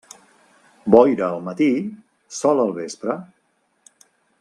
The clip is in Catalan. Boira al matí, sol al vespre.